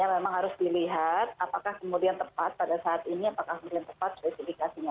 memang harus dilihat apakah kemudian tepat pada saat ini apakah kemudian tepat spesifikasinya